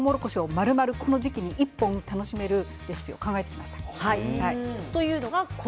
まるまるこの時期に１本楽しめるレシピを考えてきました。